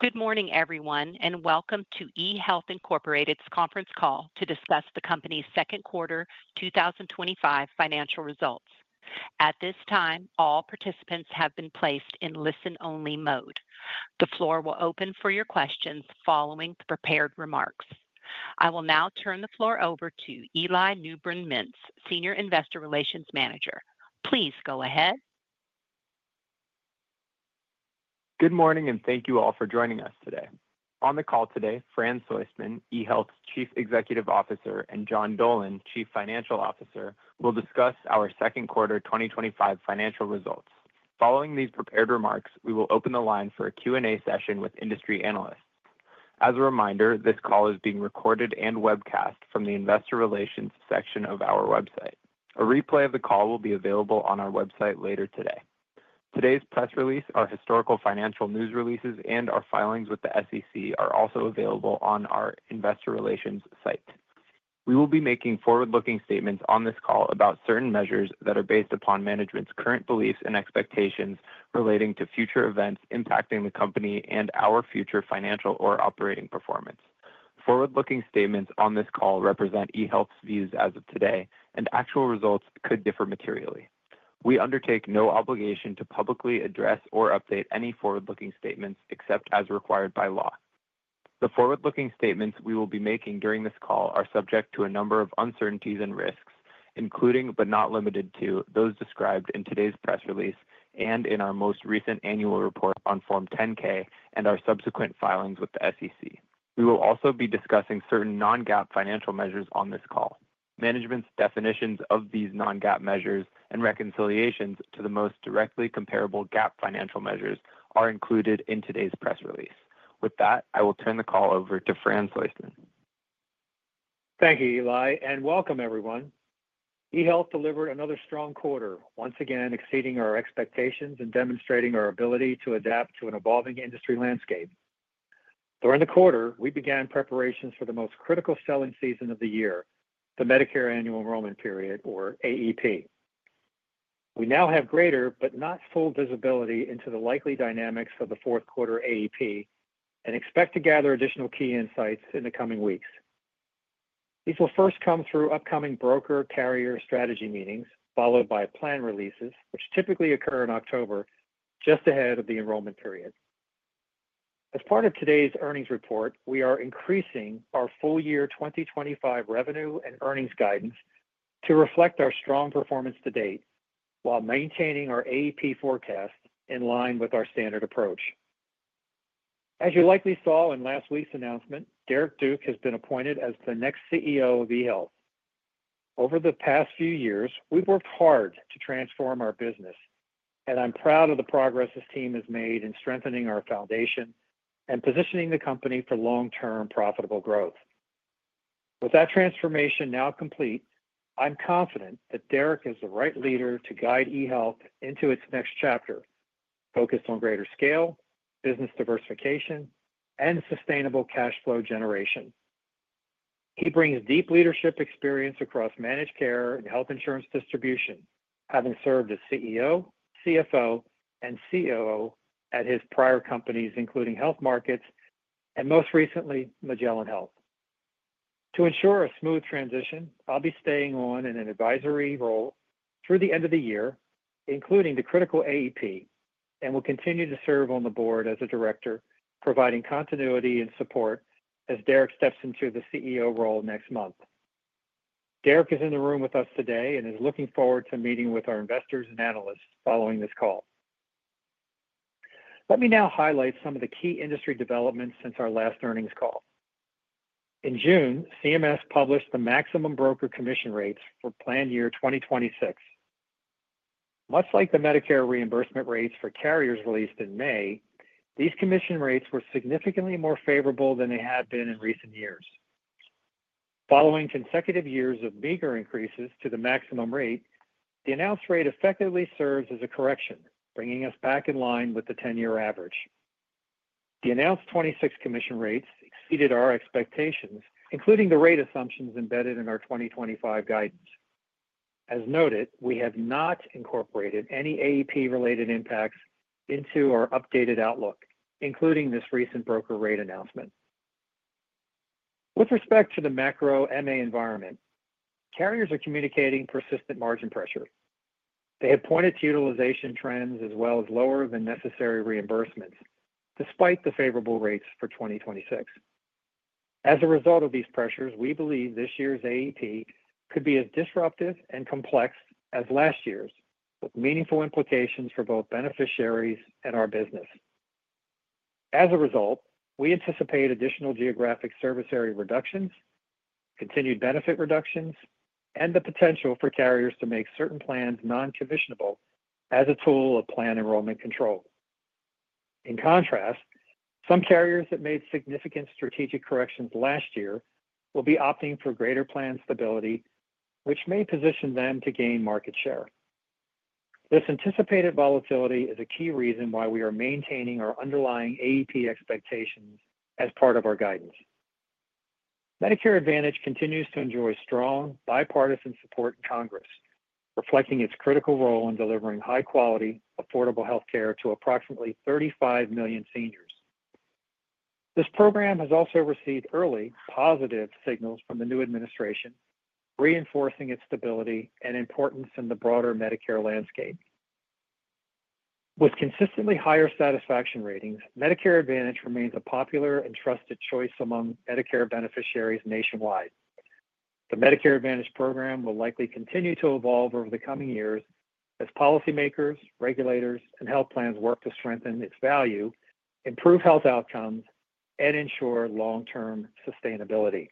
Good morning, everyone, and welcome to eHealth Inc.'s Conference Call to discuss the company's second quarter 2025 financial results. At this time, all participants have been placed in listen-only mode. The floor will open for your questions following the prepared remarks. I will now turn the floor over to Eli Newbrun-Mintz, Senior Investor Relations Manager. Please go ahead. Good morning, and thank you all for joining us today. On the call today, Fran Soistman, eHealth's Chief Executive Officer, and John Dolan, Chief Financial Officer, will discuss our second quarter 2025 financial results. Following these prepared remarks, we will open the line for a Q&A session with industry analysts. As a reminder, this call is being recorded and webcast from the Investor Relations section of our website. A replay of the call will be available on our website later today. Today's press release, our historical financial news releases, and our filings with the SEC are also available on our Investor Relations site. We will be making forward-looking statements on this call about certain measures that are based upon management's current beliefs and expectations relating to future events impacting the company and our future financial or operating performance. Forward-looking statements on this call represent eHealth's views as of today, and actual results could differ materially. We undertake no obligation to publicly address or update any forward-looking statements except as required by law. The forward-looking statements we will be making during this call are subject to a number of uncertainties and risks, including but not limited to those described in today's press release and in our most recent annual report on Form 10-K and our subsequent filings with the SEC. We will also be discussing certain non-GAAP financial measures on this call. Management's definitions of these non-GAAP measures and reconciliations to the most directly comparable GAAP financial measures are included in today's press release. With that, I will turn the call over to Fran Soistman. Thank you, Eli, and welcome, everyone. eHealth delivered another strong quarter, once again exceeding our expectations and demonstrating our ability to adapt to an evolving industry landscape. During the quarter, we began preparations for the most critical selling season of the year, the Medicare Annual Enrollment Period, or AEP. We now have greater but not full visibility into the likely dynamics of the fourth quarter AEP and expect to gather additional key insights in the coming weeks. These will first come through upcoming broker-carrier strategy meetings, followed by plan releases, which typically occur in October, just ahead of the enrollment period. As part of today's earnings report, we are increasing our full-year 2025 revenue and earnings guidance to reflect our strong performance to date while maintaining our AEP forecast in line with our standard approach. As you likely saw in last week's announcement, Derrick Duke has been appointed as the next CEO of eHealth. Over the past few years, we've worked hard to transform our business, and I'm proud of the progress this team has made in strengthening our foundation and positioning the company for long-term profitable growth. With that transformation now complete, I'm confident that Derrick is the right leader to guide eHealth into its next chapter, focused on greater scale, business diversification, and sustainable cash flow generation. He brings deep leadership experience across managed care and health insurance distribution, having served as CEO, CFO, and COO at his prior companies, including HealthMarkets and most recently, Magellan Health. To ensure a smooth transition, I'll be staying on in an advisory role through the end of the year, including the critical AEP, and will continue to serve on the board as a director, providing continuity and support as Derrick steps into the CEO role next month. Derrick is in the room with us today and is looking forward to meeting with our investors and analysts following this call. Let me now highlight some of the key industry developments since our last earnings call. In June, CMS published the maximum broker commission rates for plan year 2026. Much like the Medicare reimbursement rates for carriers released in May, these commission rates were significantly more favorable than they have been in recent years. Following consecutive years of meager increases to the maximum rate, the announced rate effectively serves as a correction, bringing us back in line with the 10-year average. The announced 2026 commission rates exceeded our expectations, including the rate assumptions embedded in our 2025 guidance. As noted, we have not incorporated any AEP-related impacts into our updated outlook, including this recent broker commission rate announcement. With respect to the macro MA environment, carriers are communicating persistent margin pressure. They have pointed to utilization trends as well as lower than necessary reimbursement rates, despite the favorable rates for 2026. As a result of these pressures, we believe this year's AEP could be as disruptive and complex as last year's, with meaningful implications for both beneficiaries and our business. As a result, we anticipate additional geographic service area reductions, continued benefit reductions, and the potential for carriers to make certain plans non-commissionable as a tool of plan enrollment control. In contrast, some carriers that made significant strategic corrections last year will be opting for greater plan stability, which may position them to gain market share. This anticipated volatility is a key reason why we are maintaining our underlying AEP expectations as part of our guidance. Medicare Advantage continues to enjoy strong bipartisan support in Congress, reflecting its critical role in delivering high-quality, affordable healthcare to approximately 35 million seniors. This program has also received early positive signals from the new administration, reinforcing its stability and importance in the broader Medicare landscape. With consistently higher satisfaction ratings, Medicare Advantage remains a popular and trusted choice among Medicare beneficiaries nationwide. The Medicare Advantage program will likely continue to evolve over the coming years as policymakers, regulators, and health plans work to strengthen its value, improve health outcomes, and ensure long-term sustainability.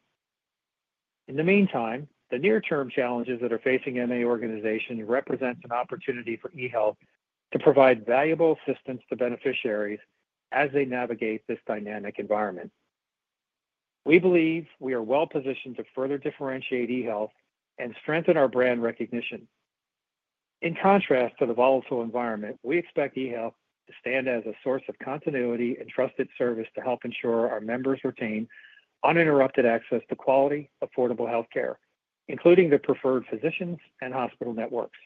In the meantime, the near-term challenges that are facing Medicare Advantage organizations represent an opportunity for eHealth to provide valuable assistance to beneficiaries as they navigate this dynamic environment. We believe we are well positioned to further differentiate eHealth and strengthen our brand recognition. In contrast to the volatile environment, we expect eHealth to stand as a source of continuity and trusted service to help ensure our members retain uninterrupted access to quality, affordable healthcare, including their preferred physicians and hospital networks.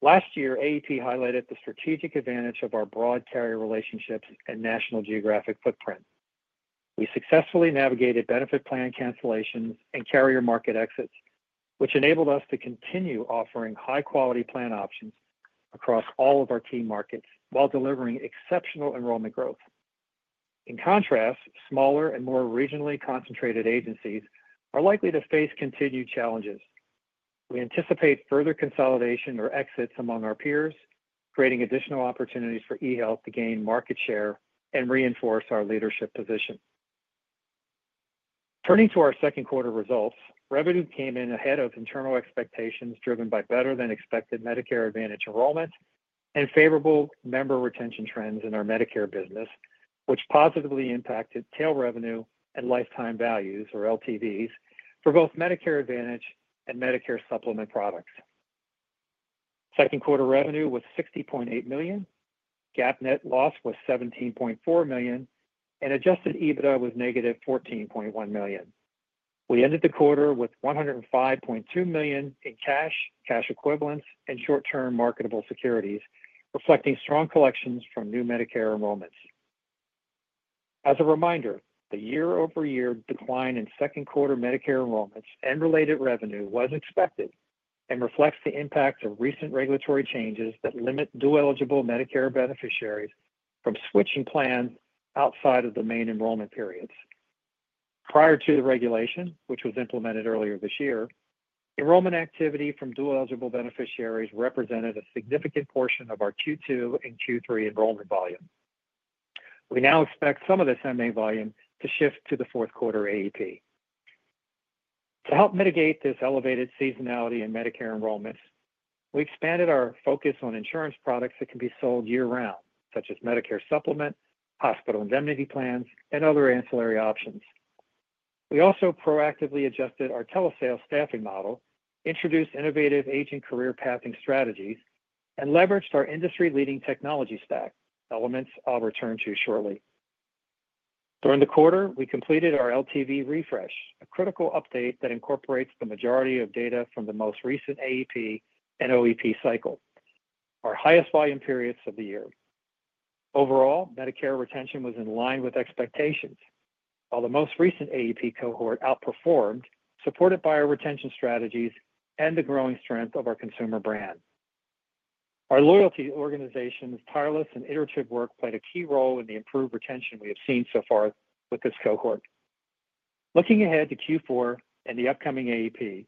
Last year, AEP highlighted the strategic advantage of our broad carrier relationships and national geographic footprint. We successfully navigated benefit plan cancellations and carrier market exits, which enabled us to continue offering high-quality plan options across all of our key markets while delivering exceptional enrollment growth. In contrast, smaller and more regionally concentrated agencies are likely to face continued challenges. We anticipate further consolidation or exits among our peers, creating additional opportunities for eHealth to gain market share and reinforce our leadership position. Turning to our second quarter results, revenue came in ahead of internal expectations, driven by better-than-expected Medicare Advantage enrollment and favorable member retention trends in our Medicare business, which positively impacted tail revenue and lifetime values, or LTVs, for both Medicare Advantage and Medicare Supplement products. Second quarter revenue was $60.8 million, GAAP net loss was $17.4 million, and adjusted EBITDA was -$14.1 million. We ended the quarter with $105.2 million in cash, cash equivalents, and short-term marketable securities, reflecting strong collections from new Medicare enrollments. As a reminder, the year-over-year decline in second quarter Medicare enrollments and related revenue was expected and reflects the impacts of recent regulatory changes that limit dual-eligible Medicare beneficiaries from switching plans outside of the main enrollment periods. Prior to the regulation, which was implemented earlier this year, enrollment activity from dual-eligible beneficiaries represented a significant portion of our Q2 and Q3 enrollment volume. We now expect some of this MA volume to shift to the fourth quarter AEP. To help mitigate this elevated seasonality in Medicare enrollments, we expanded our focus on insurance products that can be sold year-round, such as Medicare Supplement, hospital indemnity plans, and other ancillary options. We also proactively adjusted our telesales staffing model, introduced innovative aging career pathing strategies, and leveraged our industry-leading technology stack, elements I'll return to shortly. During the quarter, we completed our LTV refresh, a critical update that incorporates the majority of data from the most recent AEP and OEP cycle, our highest volume periods of the year. Overall, Medicare retention was in line with expectations, while the most recent AEP cohort outperformed, supported by our retention strategies and the growing strength of our consumer brand. Our loyalty to the organization's tireless and iterative work played a key role in the improved retention we have seen so far with this cohort. Looking ahead to Q4 and the upcoming AEP,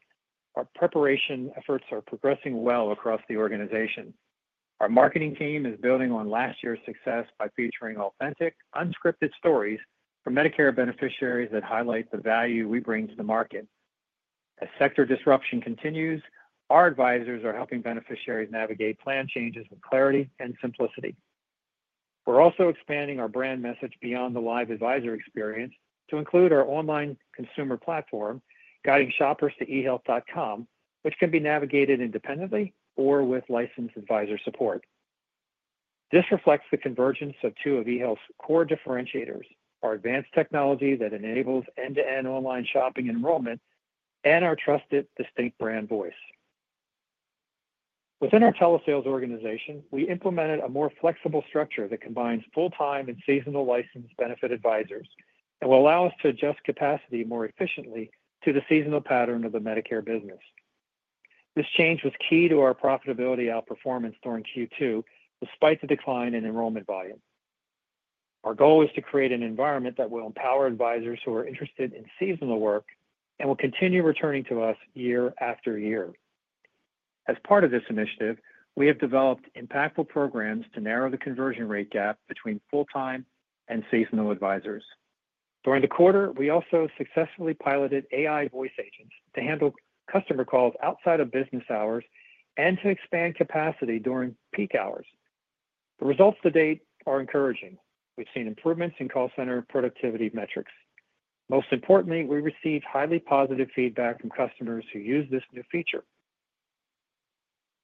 our preparation efforts are progressing well across the organization. Our marketing team is building on last year's success by featuring authentic, unscripted stories from Medicare beneficiaries that highlight the value we bring to the market. As sector disruption continues, our advisors are helping beneficiaries navigate plan changes with clarity and simplicity. We're also expanding our brand message beyond the live advisor experience to include our online consumer platform, guiding shoppers to eHealth.com, which can be navigated independently or with licensed advisor support. This reflects the convergence of two of eHealth's core differentiators: our advanced technology that enables end-to-end online shopping enrollment and our trusted distinct brand voice. Within our telesales organization, we implemented a more flexible structure that combines full-time and seasonal licensed benefit advisors and will allow us to adjust capacity more efficiently to the seasonal pattern of the Medicare business. This change was key to our profitability outperformance during Q2, despite the decline in enrollment volume. Our goal is to create an environment that will empower advisors who are interested in seasonal work and will continue returning to us year after year. As part of this initiative, we have developed impactful programs to narrow the conversion rate gap between full-time and seasonal advisors. During the quarter, we also successfully piloted AI voice agents to handle customer calls outside of business hours and to expand capacity during peak hours. The results to date are encouraging. We've seen improvements in call center productivity metrics. Most importantly, we received highly positive feedback from customers who use this new feature.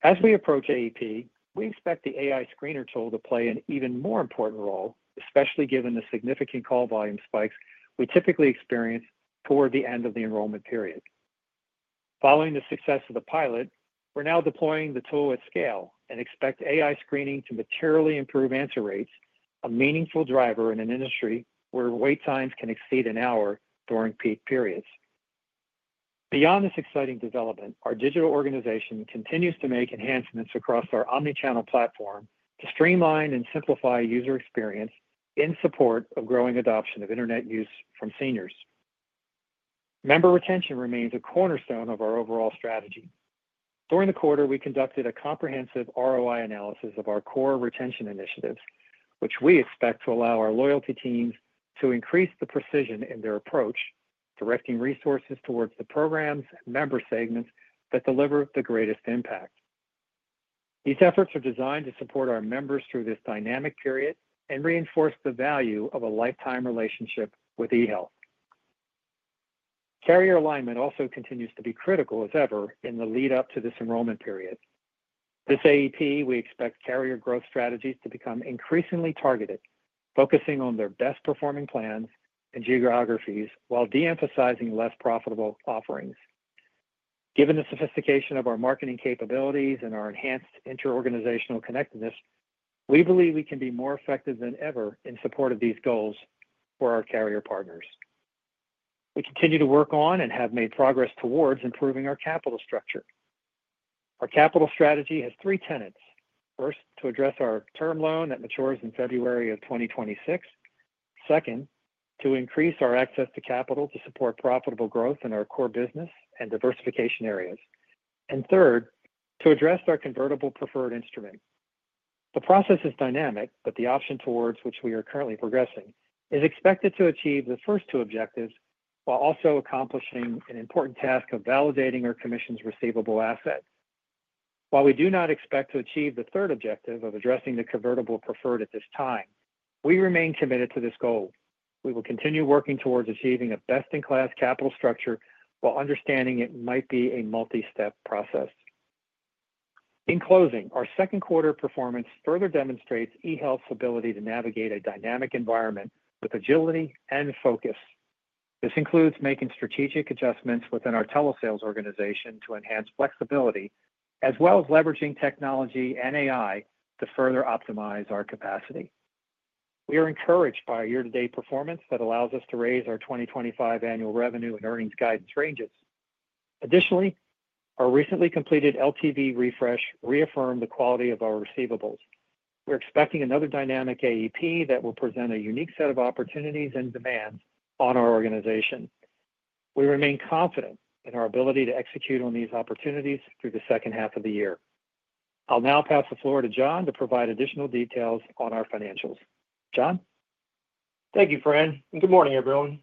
As we approach AEP, we expect the AI voice agent screening process to play an even more important role, especially given the significant call volume spikes we typically experience toward the end of the enrollment period. Following the success of the pilot, we're now deploying the tool at scale and expect AI screening to materially improve answer rates, a meaningful driver in an industry where wait times can exceed an hour during peak periods. Beyond this exciting development, our digital organization continues to make enhancements across our omnichannel technology platform to streamline and simplify user experience in support of growing adoption of internet use from seniors. Member retention remains a cornerstone of our overall strategy. During the quarter, we conducted a comprehensive ROI analysis of our core retention initiatives, which we expect to allow our loyalty teams to increase the precision in their approach, directing resources towards the programs and member segments that deliver the greatest impact. These efforts are designed to support our members through this dynamic period and reinforce the value of a lifetime relationship with eHealth. Carrier alignment also continues to be critical as ever in the lead-up to this enrollment period. This AEP, we expect carrier growth strategies to become increasingly targeted, focusing on their best-performing plans and geographies while de-emphasizing less profitable offerings. Given the sophistication of our marketing capabilities and our enhanced inter-organizational connectedness, we believe we can be more effective than ever in support of these goals for our carrier partners. We continue to work on and have made progress towards improving our capital structure. Our capital strategy has three tenets: first, to address our term loan that matures in February 2026; second, to increase our access to capital to support profitable growth in our core business and diversification areas; and third, to address our convertible preferred instrument. The process is dynamic, but the option towards which we are currently progressing is expected to achieve the first two objectives while also accomplishing an important task of validating our commissions receivable asset. While we do not expect to achieve the third objective of addressing the convertible preferred at this time, we remain committed to this goal. We will continue working towards achieving a best-in-class capital structure while understanding it might be a multi-step process. In closing, our second quarter performance further demonstrates eHealth's ability to navigate a dynamic environment with agility and focus. This includes making strategic adjustments within our telesales organization to enhance flexibility, as well as leveraging technology and AI to further optimize our capacity. We are encouraged by our year-to-date performance that allows us to raise our 2025 annual revenue and earnings guidance ranges. Additionally, our recently completed LTV refresh reaffirmed the quality of our receivables. We're expecting another dynamic AEP that will present a unique set of opportunities and demands on our organization. We remain confident in our ability to execute on these opportunities through the second half of the year. I'll now pass the floor to John to provide additional details on our financials. John? Thank you, Fran, and good morning, everyone.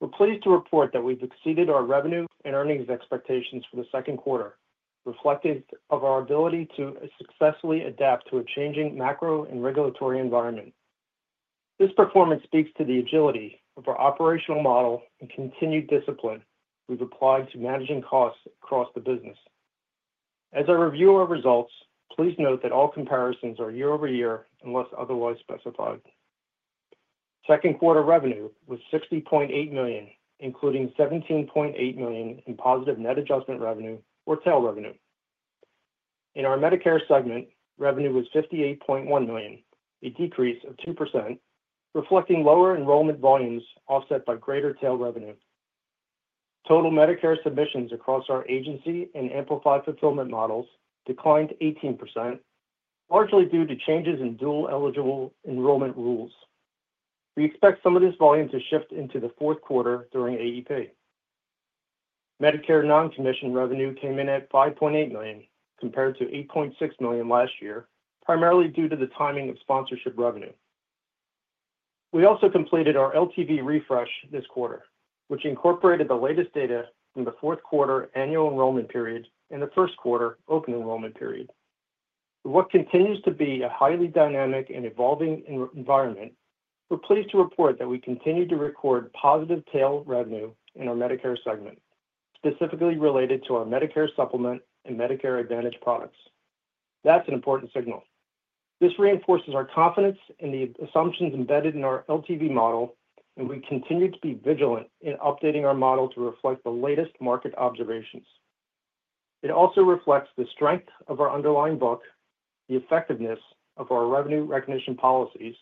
We're pleased to report that we've exceeded our revenue and earnings expectations for the second quarter, reflective of our ability to successfully adapt to a changing macro and regulatory environment. This performance speaks to the agility of our operational model and continued discipline we've applied to managing costs across the business. As I review our results, please note that all comparisons are year-over-year unless otherwise specified. Second quarter revenue was $60.8 million, including $17.8 million in positive net adjustment revenue or tail revenue. In our Medicare segment, revenue was $58.1 million, a decrease of 2%, reflecting lower enrollment volumes offset by greater tail revenue. Total Medicare submissions across our agency and Amplify fulfillment models declined 18%, largely due to changes in dual-eligible enrollment rules. We expect some of this volume to shift into the fourth quarter during AEP. Medicare non-commissioned revenue came in at $5.8 million, compared to $8.6 million last year, primarily due to the timing of sponsorship revenue. We also completed our LTV refresh this quarter, which incorporated the latest data from the fourth quarter annual enrollment period and the first quarter open enrollment period. With what continues to be a highly dynamic and evolving environment, we're pleased to report that we continue to record positive tail revenue in our Medicare segment, specifically related to our Medicare Supplement and Medicare Advantage products. That's an important signal. This reinforces our confidence in the assumptions embedded in our LTV model, and we continue to be vigilant in updating our model to reflect the latest market observations. It also reflects the strength of our underlying book, the effectiveness of our revenue recognition policies,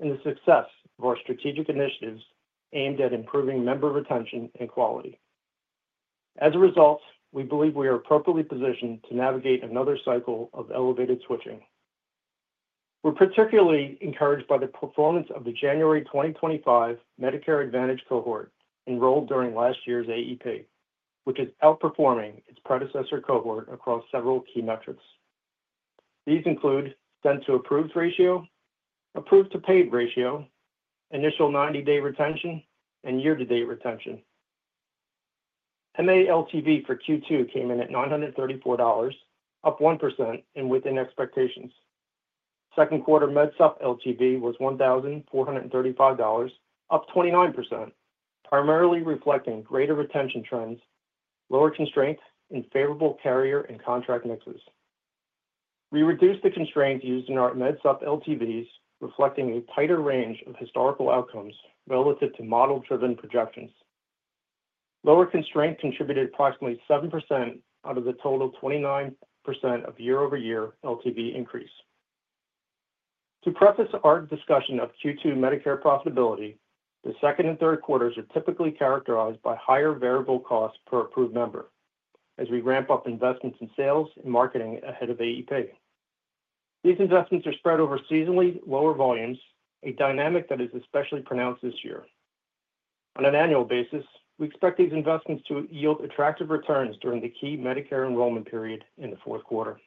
and the success of our strategic initiatives aimed at improving member retention and quality. As a result, we believe we are appropriately positioned to navigate another cycle of elevated switching. We're particularly encouraged by the performance of the January 2025 Medicare Advantage cohort enrolled during last year's AEP, which is outperforming its predecessor cohort across several key metrics. These include spend-to-approved ratio, approved-to-paid ratio, initial 90-day retention, and year-to-date retention. MA LTV for Q2 came in at $934, up 1% and within expectations. Second quarter MedSup LTV was $1,435, up 29%, primarily reflecting greater retention trends, lower constraints, and favorable carrier and contract mixes. We reduced the constraints used in our MedSup LTVs, reflecting a tighter range of historical outcomes relative to model-driven projections. Lower constraints contributed approximately 7% out of the total 29% of year-over-year LTV increase. To preface our discussion of Q2 Medicare profitability, the second and third quarters are typically characterized by higher variable costs per approved member as we ramp up investments in sales and marketing ahead of AEP. These investments are spread over seasonally lower volumes, a dynamic that is especially pronounced this year. On an annual basis, we expect these investments to yield attractive returns during the key Medicare enrollment period in the fourth quarter.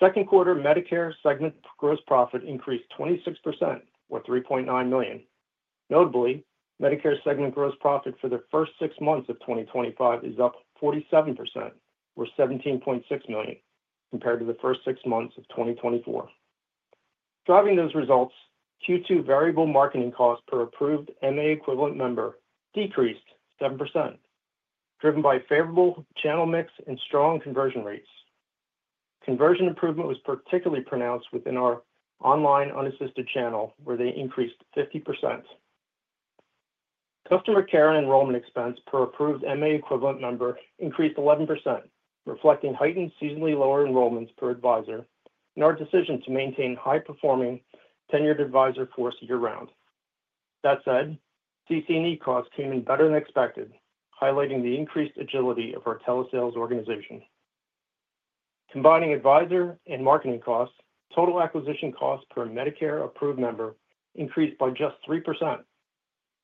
Second quarter Medicare segment gross profit increased 26%, or $3.9 million. Notably, Medicare segment gross profit for the first six months of 2025 is up 47%, or $17.6 million, compared to the first six months of 2024. Driving those results, Q2 variable marketing cost per approved MA equivalent member decreased 7%, driven by favorable channel mix and strong conversion rates. Conversion improvement was particularly pronounced within our online unassisted channel, where they increased 50%. Customer care enrollment expense per approved MA equivalent member increased 11%, reflecting heightened seasonally lower enrollments per advisor and our decision to maintain high-performing tenured advisor force year-round. That said, CC&E costs came in better than expected, highlighting the increased agility of our telesales organization. Combining advisor and marketing costs, total acquisition cost per Medicare approved member increased by just 3%.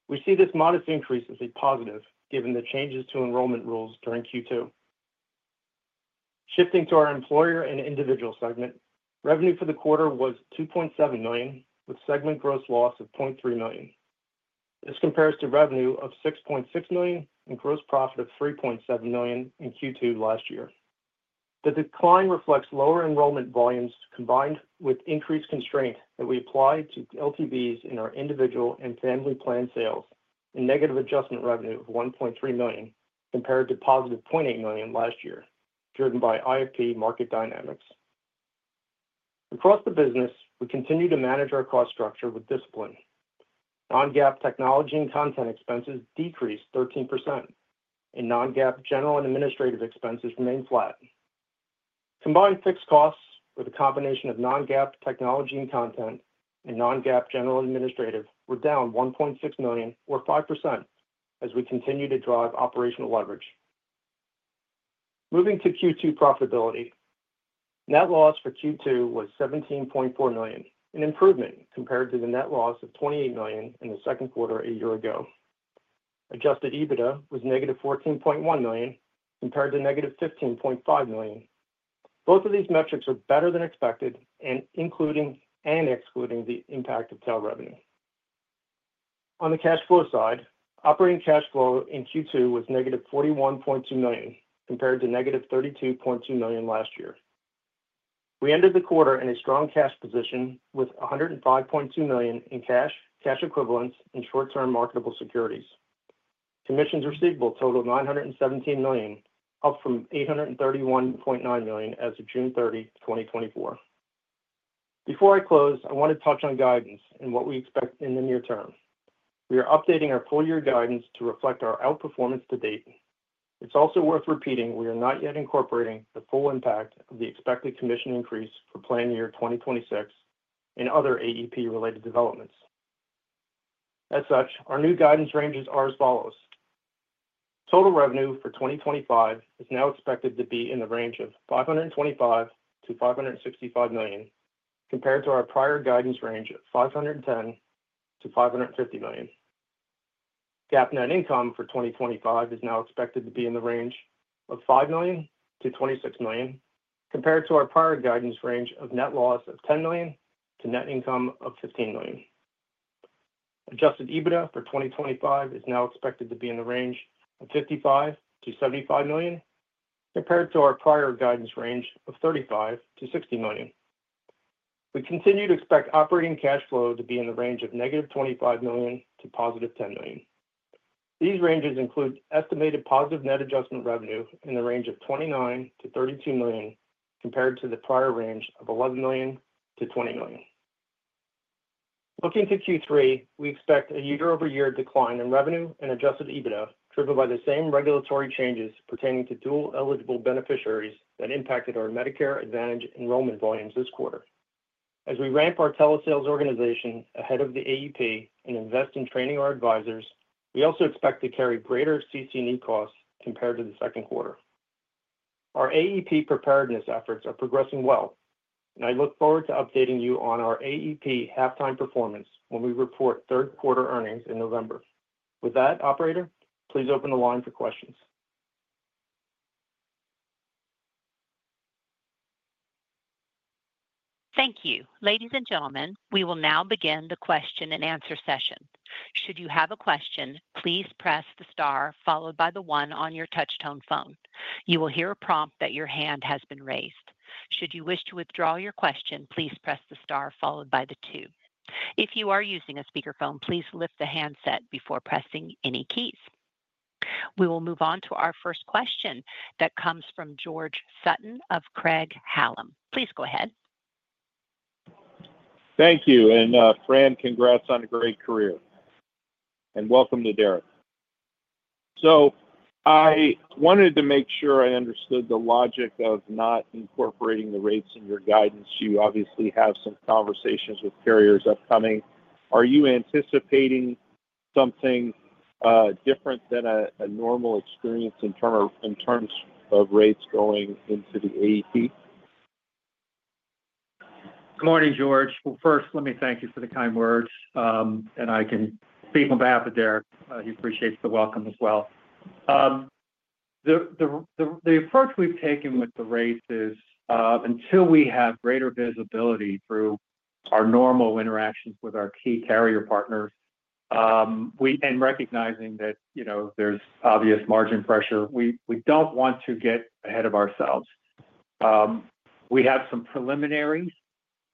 We see this modest increase as a positive, given the changes to enrollment rules during Q2. Shifting to our employer and individual segment, revenue for the quarter was $2.7 million, with segment gross loss of $0.3 million. This compares to revenue of $6.6 million and gross profit of $3.7 million in Q2 last year. The decline reflects lower enrollment volumes combined with increased constraint that we apply to LTVs in our individual and family plan sales and negative adjustment revenue of $1.3 million compared to +$0.8 million last year, driven by IFP market dynamics. Across the business, we continue to manage our cost structure with discipline. Non-GAAP technology and content expenses decreased 13%, and non-GAAP general and administrative expenses remain flat. Combined fixed costs with a combination of non-GAAP technology and content and non-GAAP general and administrative were down $1.6 million, or 5%, as we continue to drive operational leverage. Moving to Q2 profitability, net loss for Q2 was $17.4 million, an improvement compared to the net loss of $28 million in the second quarter a year ago. Adjusted EBITDA was -$14.1 million compared to -$15.5 million. Both of these metrics are better than expected, including and excluding the impact of tail revenue. On the cash flow side, operating cash flow in Q2 was -$41.2 million compared to -$32.2 million last year. We ended the quarter in a strong cash position with $105.2 million in cash, cash equivalents, and short-term marketable securities. Commissions receivable totaled $917 million, up from $831.9 million as of June 30, 2024. Before I close, I want to touch on guidance and what we expect in the near term. We are updating our full-year guidance to reflect our outperformance to date. It's also worth repeating we are not yet incorporating the full impact of the expected commission increase for plan year 2026 and other AEP-related developments. As such, our new guidance range is as follows: total revenue for 2025 is now expected to be in the range of $525 million-$565 million, compared to our prior guidance range of $510 million-$550 million. GAAP net income for 2025 is now expected to be in the range of $5 million-$26 million, compared to our prior guidance range of net loss of $10 million to net income of $15 million. Adjusted EBITDA for 2025 is now expected to be in the range of $55 million-$75 million, compared to our prior guidance range of $35 million-$60 million. We continue to expect operating cash flow to be in the range of -$25 million to +$10 million. These ranges include estimated positive net adjustment revenue in the range of $29 million-$32 million, compared to the prior range of $11 million-$20 million. Looking to Q3, we expect a year-over-year decline in revenue and adjusted EBITDA driven by the same regulatory changes pertaining to dual-eligible beneficiaries that impacted our Medicare Advantage enrollment volumes this quarter. As we ramp our telesales organization ahead of the AEP and invest in training our advisors, we also expect to carry greater CC&E costs compared to the second quarter. Our AEP preparedness efforts are progressing well, and I look forward to updating you on our AEP halftime performance when we report third quarter earnings in November. With that, Operator, please open the line for questions. Thank you. Ladies and gentlemen, we will now begin the question and answer session. Should you have a question, please press the star followed by the one on your touch-tone phone. You will hear a prompt that your hand has been raised. Should you wish to withdraw your question, please press the star followed by the two. If you are using a speakerphone, please lift the handset before pressing any keys. We will move on to our first question that comes from George Sutton of Craig-Hallum. Please go ahead. Thank you, and Fran, congrats on a great career and welcome to Derrick. I wanted to make sure I understood the logic of not incorporating the rates in your guidance. You obviously have some conversations with carriers upcoming. Are you anticipating something different than a normal experience in terms of rates going into the AEP? Good morning, George. First, let me thank you for the kind words, and I can speak on behalf of Derrick. He appreciates the welcome as well. The approach we've taken with the rates is, until we have greater visibility through our normal interactions with our key carrier partners, and recognizing that there's obvious margin pressure, we don't want to get ahead of ourselves. We have some preliminaries,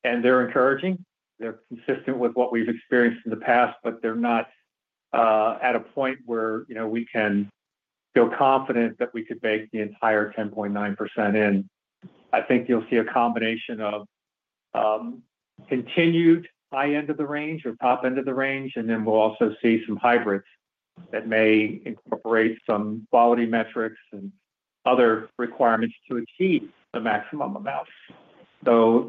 and they're encouraging. They're consistent with what we've experienced in the past, but they're not at a point where we can feel confident that we could bake the entire 10.9% in. I think you'll see a combination of continued high end of the range or top end of the range, and then we'll also see some hybrids that may incorporate some quality metrics and other requirements to achieve the maximum amounts.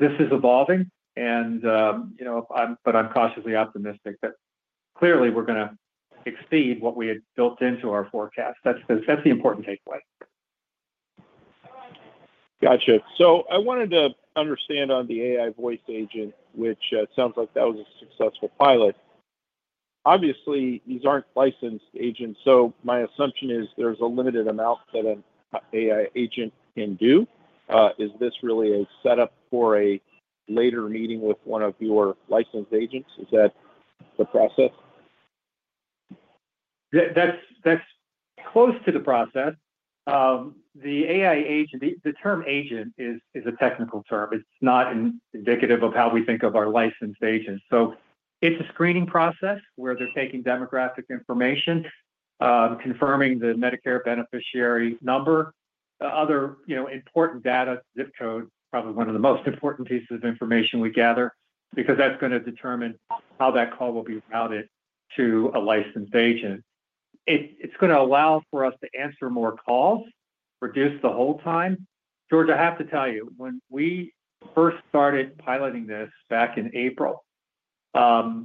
This is evolving, and you know I'm cautiously optimistic that clearly we're going to exceed what we had built into our forecast. That's the important takeaway. Gotcha. I wanted to understand on the AI voice agent, which sounds like that was a successful pilot. Obviously, these aren't licensed agents, so my assumption is there's a limited amount that an AI agent can do. Is this really a setup for a later meeting with one of your licensed agents? Is that the process? That's close to the process. The AI voice agent, the term agent is a technical term. It's not indicative of how we think of our licensed agents. It's a screening process where they're taking demographic information, confirming the Medicare beneficiary number, other important data, zip code, probably one of the most important pieces of information we gather because that's going to determine how that call will be routed to a licensed agent. It's going to allow for us to answer more calls, reduce the hold time. George, I have to tell you, when we first started piloting this back in April, I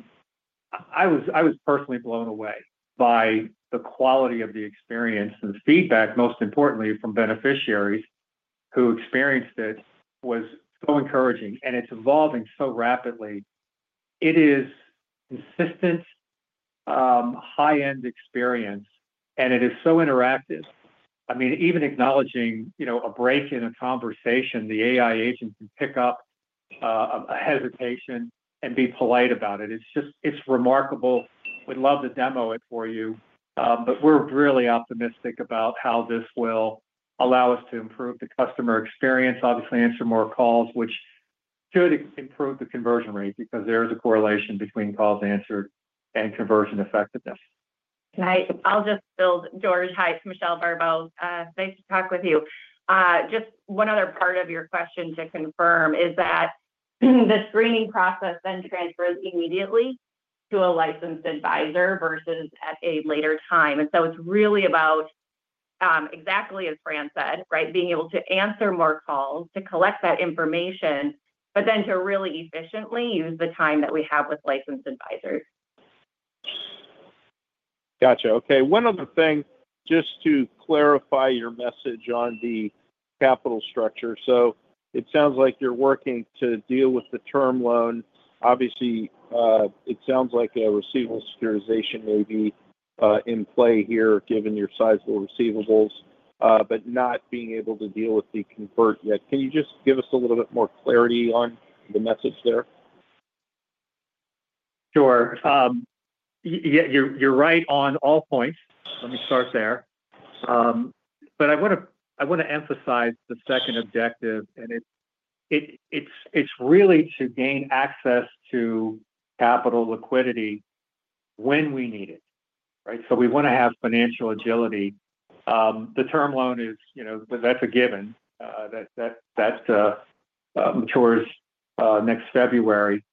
was personally blown away by the quality of the experience and the feedback, most importantly, from beneficiaries who experienced it was so encouraging, and it's evolving so rapidly. It is a consistent, high-end experience, and it is so interactive. I mean, even acknowledging a break in a conversation, the AI voice agent can pick up a hesitation and be polite about it. It's just remarkable. We'd love to demo it for you, but we're really optimistic about how this will allow us to improve the customer experience, obviously answer more calls, which should improve the conversion rate because there is a correlation between calls answered and conversion effectiveness. I'll just build. George, hi, it's Michelle Barbeau. Nice to talk with you. Just one other part of your question to confirm is that the AI voice agent screening process then transfers immediately to a licensed advisor versus at a later time. It's really about, exactly as Fran said, being able to answer more calls, to collect that information, but then to really efficiently use the time that we have with licensed advisors. Gotcha. Okay. One other thing, just to clarify your message on the capital structure. It sounds like you're working to deal with the term loan. Obviously, it sounds like a receivable securitization may be in play here, given your sizeable receivables, but not being able to deal with the convert yet. Can you just give us a little bit more clarity on the message there? Sure. Yeah, you're right on all points. Let me start there. I want to emphasize the second objective, and it's really to gain access to capital liquidity when we need it, right? We want to have financial agility. The term loan is, you know, that's a given. That matures next February.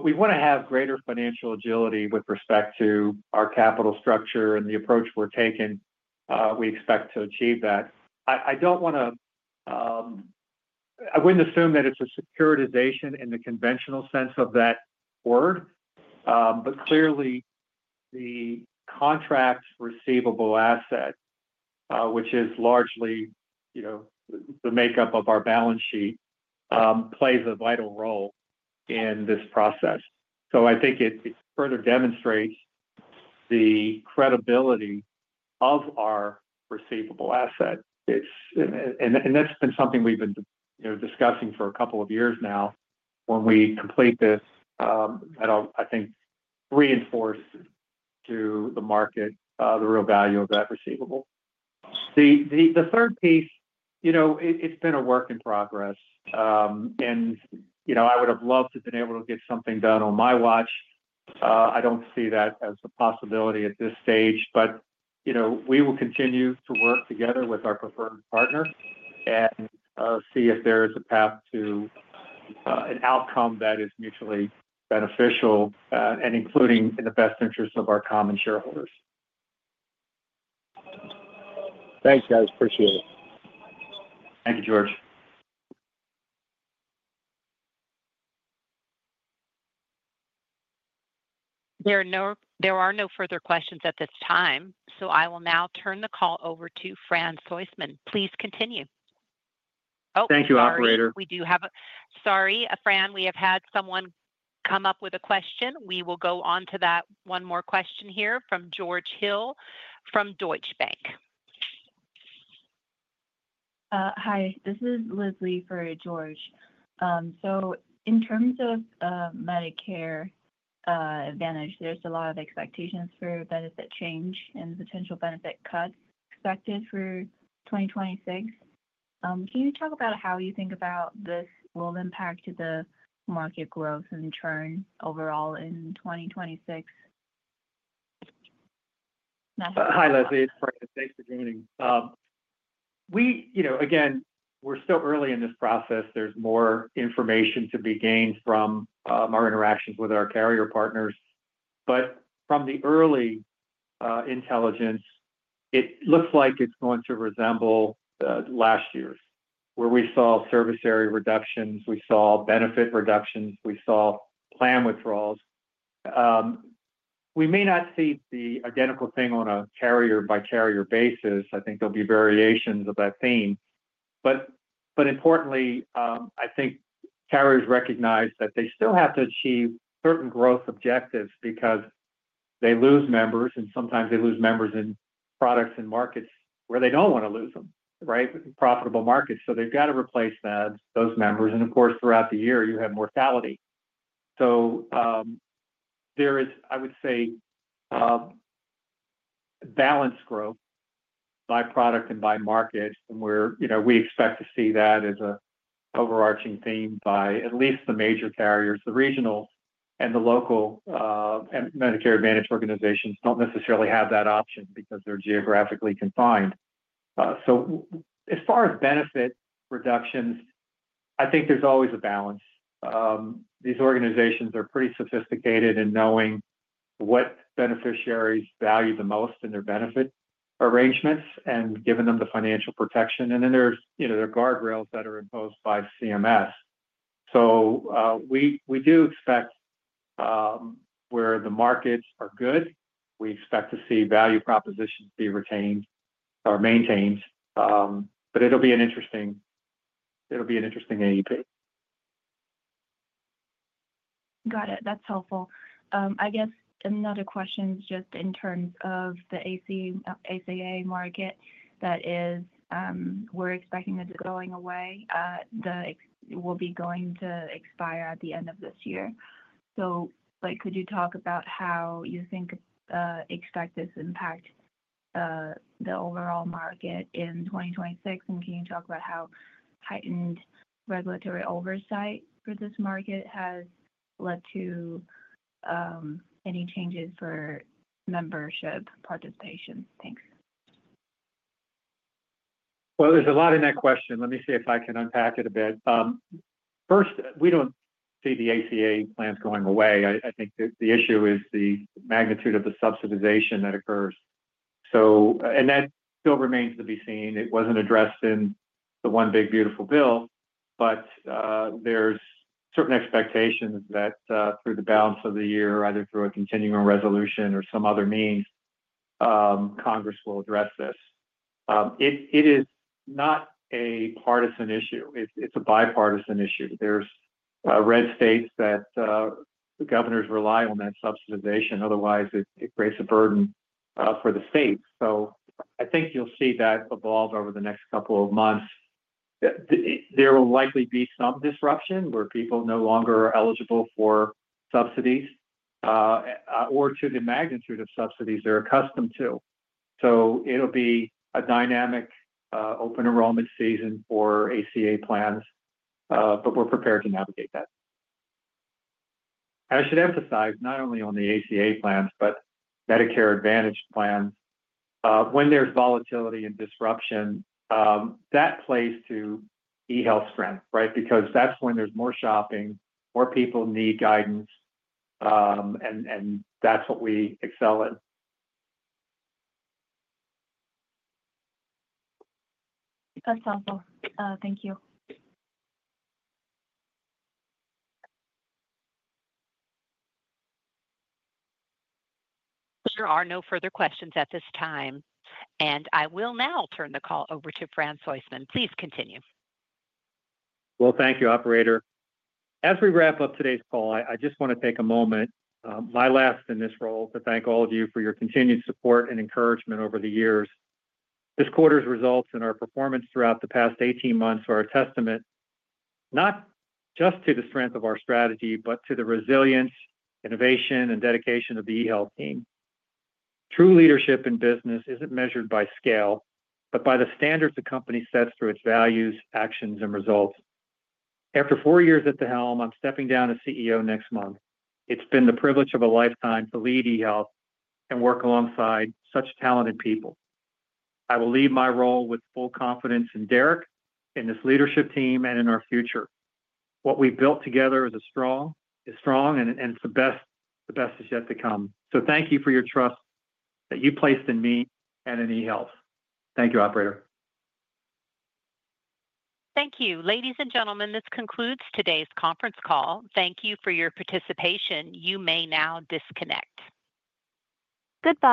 We want to have greater financial agility with respect to our capital structure and the approach we're taking. We expect to achieve that. I don't want to, I wouldn't assume that it's a securitization in the conventional sense of that word, but clearly, the contract receivable asset, which is largely, you know, the makeup of our balance sheet, plays a vital role in this process. I think it further demonstrates the credibility of our receivable asset. That's been something we've been discussing for a couple of years now. When we complete this, that'll, I think, reinforce to the market the real value of that receivable. The third piece, you know, it's been a work in progress. I would have loved to have been able to get something done on my watch. I don't see that as a possibility at this stage. We will continue to work together with our preferred partner and see if there is a path to an outcome that is mutually beneficial and including in the best interests of our common shareholders. Thanks, guys. Appreciate it. Thank you, George. There are no further questions at this time. I will now turn the call over to Fran Soistman. Please continue. Oh, thank you, operator. We have had someone come up with a question. We will go on to that one more question here from George Hill from Deutsche Bank. Hi, this is Lizzie for George. In terms of Medicare Advantage, there's a lot of expectations for benefit change and the potential benefit cuts expected for 2026. Can you talk about how you think about this will impact the market growth and churn overall in 2026? Hi, Lizzie. It's Fran. Thanks for joining. We're so early in this process. There's more information to be gained from our interactions with our carrier partners. From the early intelligence, it looks like it's going to resemble last year where we saw service area reductions, we saw benefit reductions, we saw plan withdrawals. We may not see the identical thing on a carrier-by-carrier basis. I think there'll be variations of that theme. Importantly, I think carriers recognize that they still have to achieve certain growth objectives because they lose members, and sometimes they lose members in products and markets where they don't want to lose them, right? Profitable markets. They've got to replace those members. Of course, throughout the year, you have mortality. There is, I would say, balanced growth by product and by market, and we expect to see that as an overarching theme by at least the major carriers. The regional and the local Medicare Advantage organizations don't necessarily have that option because they're geographically confined. As far as benefit reductions, I think there's always a balance. These organizations are pretty sophisticated in knowing what beneficiaries value the most in their benefit arrangements and giving them the financial protection. There are guardrails that are imposed by CMS. We do expect where the markets are good, we expect to see value propositions be retained or maintained. It'll be an interesting AEP. Got it. That's helpful. I guess another question is just in terms of the ACA market that is we're expecting it to go away. It will be going to expire at the end of this year. Could you talk about how you think expect this impact the overall market in 2026? Can you talk about how heightened regulatory oversight for this market has led to any changes for membership participation? Thanks. There is a lot in that question. Let me see if I can unpack it a bit. First, we don't see the ACA plans going away. I think that the issue is the magnitude of the subsidization that occurs, and that still remains to be seen. It wasn't addressed in the One Big Beautiful Bill, but there are certain expectations that through the balance of the year, either through a continuing resolution or some other means, Congress will address this. It is not a partisan issue. It's a bipartisan issue. There are red states where the governors rely on that subsidization. Otherwise, it creates a burden for the states. I think you'll see that evolve over the next couple of months. There will likely be some disruption where people no longer are eligible for subsidies or to the magnitude of subsidies they're accustomed to. It will be a dynamic open enrollment season for ACA plans, but we're prepared to navigate that. I should emphasize not only on the ACA plans, but Medicare Advantage plans. When there is volatility and disruption, that plays to eHealth strength, right? That's when there is more shopping, more people need guidance, and that's what we excel in. That's helpful. Thank you. There are no further questions at this time. I will now turn the call over to Fran Soistman. Please continue. Thank you, operator. As we wrap up today's call, I just want to take a moment, my last in this role, to thank all of you for your continued support and encouragement over the years. This quarter's results and our performance throughout the past 18 months are a testament not just to the strength of our strategy, but to the resilience, innovation, and dedication of the eHealth team. True leadership in business isn't measured by scale, but by the standards the company sets for its values, actions, and results. After four years at the helm, I'm stepping down as CEO next month. It's been the privilege of a lifetime to lead eHealth and work alongside such talented people. I will leave my role with full confidence in Derrick, in this leadership team, and in our future. What we've built together is strong, and it's the best. The best is yet to come. Thank you for your trust that you placed in me and in eHealth. Thank you, operator. Thank you. Ladies and gentlemen, this concludes today's conference call. Thank you for your participation. You may now disconnect. Goodbye.